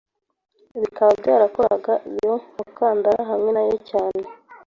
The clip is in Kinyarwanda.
Bikaba byarakoraga iyo mukandara hamwe na yo cyane